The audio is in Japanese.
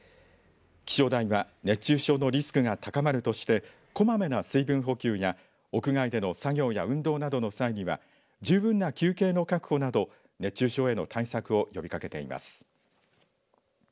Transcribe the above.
気象台は熱中症のリスクが高まるとしてこまめな水分補給や屋外での作業や運動などの際には十分な休憩の確保など熱中症への対策を呼びかけています。